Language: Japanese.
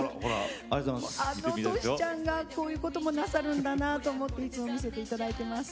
あのトシちゃんがこういうこともなさるんだなと思って頑張っています。